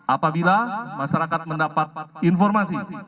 apabila masyarakat mendapat informasi